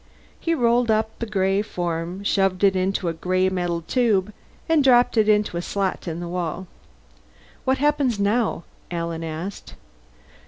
He rolled the form up, shoved it into a gray metal tube, and dropped it in a slot in the wall. "What happens now?" Alan asked.